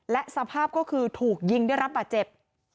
และสภาพก็คือถูกยิงได้รับบาดเจ็บ